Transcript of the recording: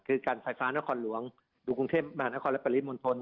คือการไฟฟ้านครหลวงดูกรุงเทพมหานครและปริมณฑล